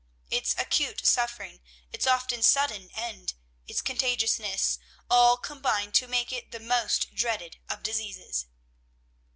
Its acute suffering, its often sudden end, its contagiousness, all combine to make it the most dreaded of diseases.